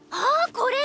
これ！